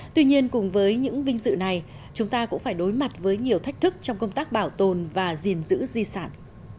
tuy nhiên cùng với những vinh dự này chúng ta cũng phải đối mặt với nhiều thách thức trong công tác bảo tồn và gìn giữ di sản